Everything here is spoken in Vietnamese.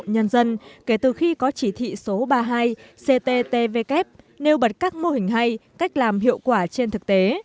nhân dân kể từ khi có chỉ thị số ba mươi hai cttvk nêu bật các mô hình hay cách làm hiệu quả trên thực tế